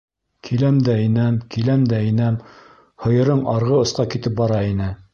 Киләм дә инәм, киләм дә инәм... һыйырың арғы осҡа китеп бара ине.